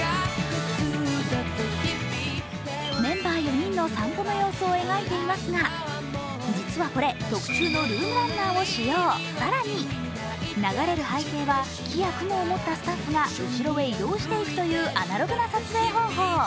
メンバー４人の散歩の様子を描いていますが、実はこれ、特注のルームランナーを使用、更に流れる背景は木や雲を持ったスタッフが後ろへ移動していくというアナログな撮影方法。